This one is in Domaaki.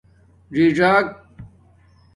ڎی ڎاک